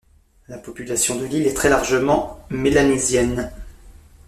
La population de l'île est très largement mélanésienne.